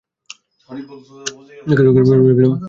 তার খালাতো বোন জুন মাসে মৃত্যুবরণ করে।